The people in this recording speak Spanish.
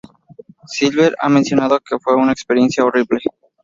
Silver ha mencionado que fue una experiencia horrible.